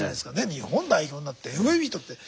日本代表になってＭＶＰとって。